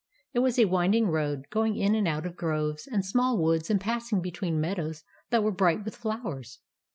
It was a winding road, going in and out of groves and small woods, and passing between meadows that were bright with flowers.